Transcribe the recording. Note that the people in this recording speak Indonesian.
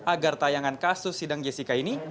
agar tayangan kasus sidang jessica ini